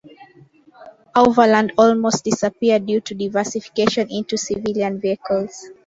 Auverland almost disappeared due to diversification into civilian vehicles.